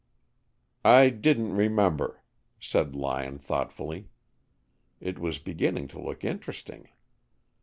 "I didn't remember," said Lyon thoughtfully. It was beginning to look interesting.